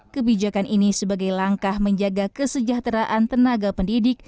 kebijakan ini sebagai langkah menjaga kesejahteraan tenaga pendidik